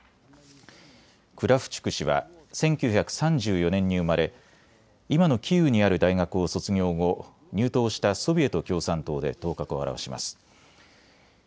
クラフチュク氏は１９３４年に生まれ、今のキーウにある大学を卒業後、入党したソビエト共産党で頭角を現します。